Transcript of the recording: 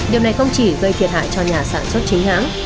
điều này không chỉ gây thiệt hại cho nhà sản xuất chính hãng